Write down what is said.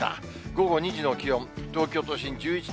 午後２時の気温、東京都心、１１．３度。